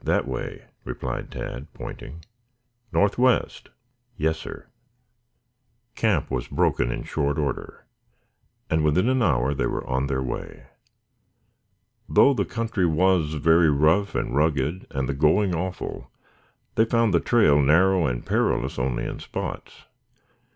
That way," replied Tad, pointing. "Northwest?" "Yes, sir." Camp was broken in short order and within an hour they were on their way. Though the country was very rough and rugged and the going awful, they found the trail narrow and perilous only in spots.